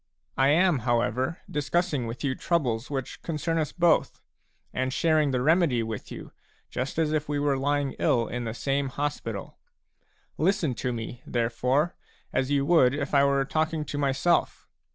I am, however, discussing with you troubles which concern us both, and sharing the remedy with you, just as if we were lying ill in the same hospital. Listen to me, therefore, as you would if I were talking to myself.